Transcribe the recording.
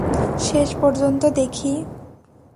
শেষ পর্যন্ত দেখি।